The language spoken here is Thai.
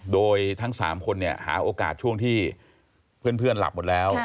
โดยทั้ง๓คนเนี่ยหาโอกาสช่วงที่เพื่อนหลับหมดแล้ว